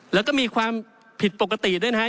แล้วก็มีความผิดปกติด้วยนะฮะ